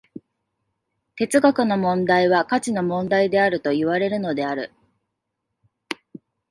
哲学の問題は価値の問題であるといわれるのである。